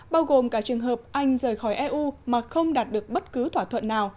bao gồm cả trường hợp anh rời khỏi eu mà không đạt được bất cứ thỏa thuận nào